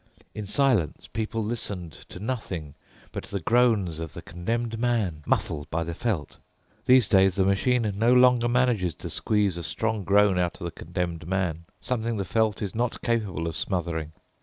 In silence people listened to nothing but the groans of the condemned man, muffled by the felt. These days the machine no longer manages to squeeze a strong groan out of the condemned man—something the felt is not capable of smothering.